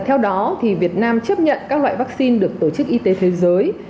theo đó việt nam chấp nhận các loại vaccine được tổ chức y tế thế giới